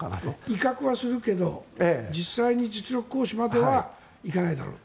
威嚇はするけど実際に実力行使まではいかないだろうと。